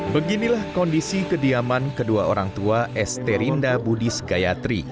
beginilah kondisi kediaman kedua orang tua esterinda budis gayatri